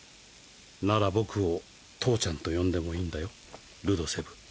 なら僕を父ちゃんと呼んでもいいんだよルドセブ。